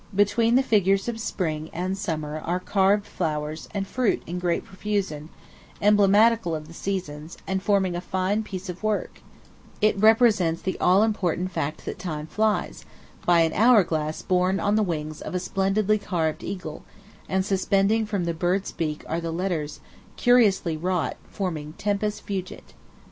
Between the figures of Spring and Summer are carved flowers and fruit in great profusion, emblematical of the seasons, and forming a fine piece of work; it represents the all important fact that time flies, by an hourglass borne on the wings of a splendidly carved eagle, and suspending from the bird's beak are the letters, curiously wrought, forming TEMPUS FUGIT.